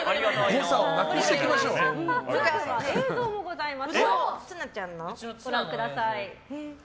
映像もございます。